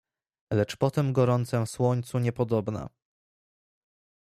"Lecz po tem gorącem słońcu niepodobna."